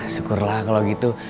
syukurlah kalau gitu